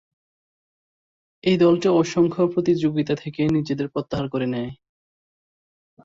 এই দলটি অসংখ্য প্রতিযোগিতা থেকে নিজেদের প্রত্যাহার করে নেয়।